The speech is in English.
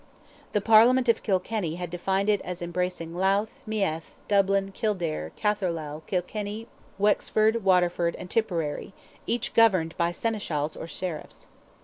The Parliament of Kilkenny had defined it as embracing "Louth, Meath, Dublin, Kildare, Catherlough, Kilkenny, Wexford, Waterford, and Tipperary," each governed by Seneschals or Sheriffs.